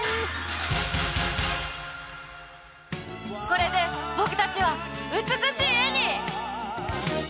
これで僕たちは美しい絵に！